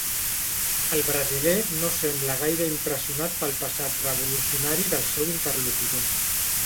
El brasiler no sembla gaire impressionat pel passat revolucionari del seu interlocutor.